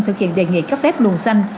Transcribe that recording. thực hiện đề nghị cấp phép luồng xanh